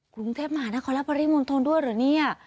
กรุงเทพฯมานะขอรับพระรีมมนตร์ทรวจหรือเนี่ย